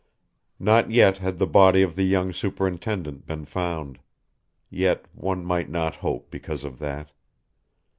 Not yet had the body of the young superintendent been found; yet one might not hope because of that.